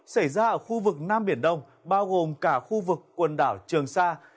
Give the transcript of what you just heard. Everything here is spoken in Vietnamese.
xảy ra ở khu vực nam biển đông bao gồm cả khu vực quần đảo trường sa